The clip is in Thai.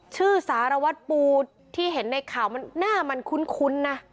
สารวัตรปูที่เห็นในข่าวมันหน้ามันคุ้นนะ